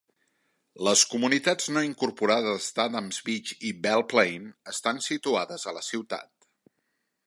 Les comunitats no incorporades d'Adams Beach i Belle Plaine estan situades a la ciutat.